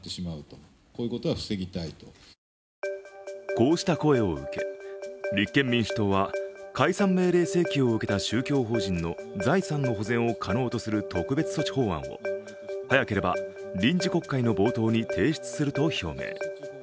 こうした声を受け、立憲民主党は解散命令請求を受けた宗教法人の財産の保全を可能とする特別措置法案を早ければ臨時国会の冒頭に提出すると表明。